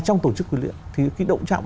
trong tổ chức quyền luyện thì cái động trạng